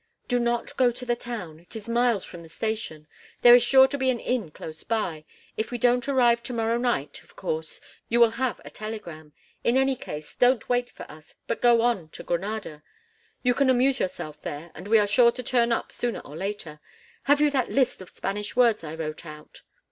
"Do not go to the town. It is miles from the station; there is sure to be an inn close by. If we don't arrive to morrow night, of course, you will have a telegram; in any case, don't wait for us, but go on to Granada. You can amuse yourself there, and we are sure to turn up sooner or later. Have you that list of Spanish words I wrote out?"